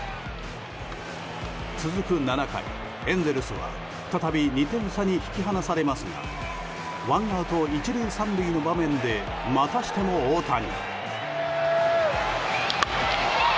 続く７回、エンゼルスは再び２点差に引き離されますがワンアウト１塁３塁の場面でまたしても大谷。